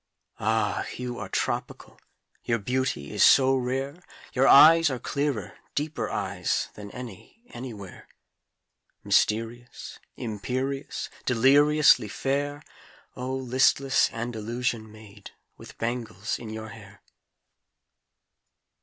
ah, you are tropical, Your beauty is so rare: Your eyes are clearer, deeper eyes Than any, anywhere; Mysterious, imperious, Deliriously fair, O listless Andalusian maid, With bangles in your hair!